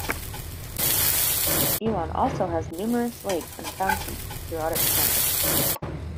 Elon also has numerous lakes and fountains throughout its campus.